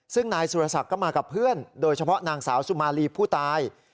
ซึ่งนายสุรศักดิ์ก็มากับเพื่อนโดยเฉพาะนางสาวสุมาลีผู้ตาย